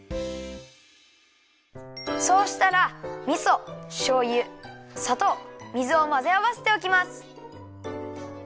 そうしたらみそしょうゆさとう水をまぜあわせておきます。